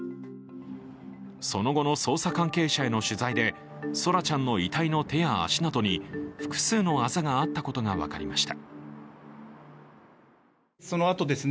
その後の捜査関係者への取材で、空来ちゃんの遺体の手や足などに複数のあざがあったことが分かりました。